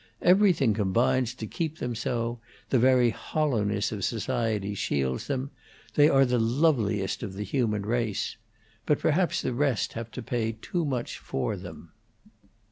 Everything combines to keep them so; the very hollowness of society shields them. They are the loveliest of the human race. But perhaps the rest have to pay too much for them."